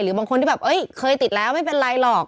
บางคนที่แบบเคยติดแล้วไม่เป็นไรหรอก